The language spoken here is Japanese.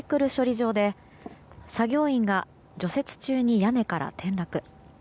場で作業員が除雪中に屋根から転落。